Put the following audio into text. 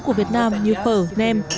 của việt nam như phở nem